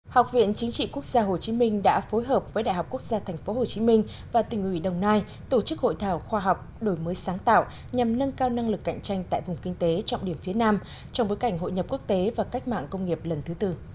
học viện chính trị quốc gia hồ chí minh đã phối hợp với đại học quốc gia tp hcm và tỉnh ủy đồng nai tổ chức hội thảo khoa học đổi mới sáng tạo nhằm nâng cao năng lực cạnh tranh tại vùng kinh tế trọng điểm phía nam trong bối cảnh hội nhập quốc tế và cách mạng công nghiệp lần thứ tư